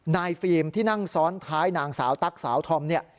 ฟิล์มที่นั่งซ้อนท้ายนางสาวตั๊กสาวธอมเนี่ย